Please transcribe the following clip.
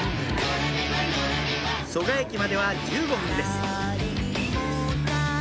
蘇我駅までは１５分です